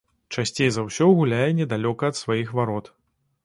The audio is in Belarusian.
Часцей за ўсё гуляе недалёка ад сваіх варот.